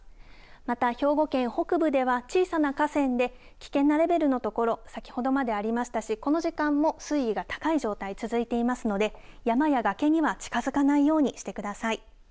また、兵庫県北部では、小さな河川で危険なレベルの所、先ほどまでありましたし、この時間も水位が高い状態、続いていますので、山や崖には近づかないようにしてください。